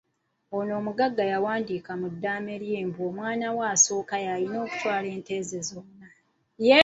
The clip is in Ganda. Ono omugagga ya wandiika mu ddaame lye mbu omwana we asooka ayina okutwala ente ze zonna.